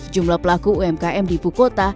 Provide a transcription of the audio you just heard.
jumlah pelaku umkm di ibu kota